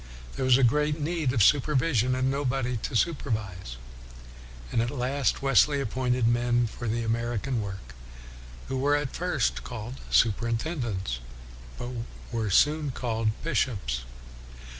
There was great need of supervision and nobody to supervise. And at last Wesley appointed men for the American work, who were at first called superintendents, but were soon called bishops.